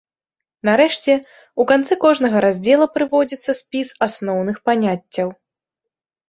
Нарэшце, у канцы кожнага раздзела прыводзіцца спіс асноўных паняццяў.